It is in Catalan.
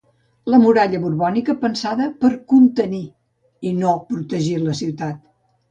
La muralla borbònica pensada per "contenir" i no protegir la ciutat.